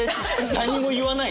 何も言わないで。